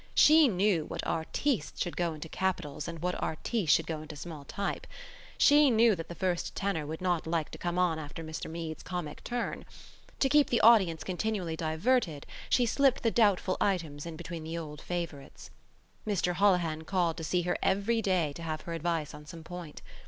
She knew what artistes should go into capitals and what artistes should go into small type. She knew that the first tenor would not like to come on after Mr Meade's comic turn. To keep the audience continually diverted she slipped the doubtful items in between the old favourites. Mr Holohan called to see her every day to have her advice on some point.